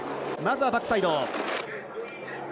まずはバックサイド。